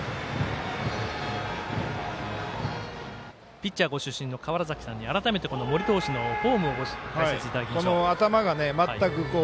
ピッチャーご出身の川原崎さんに改めて、森投手のフォームをご解説いただきます。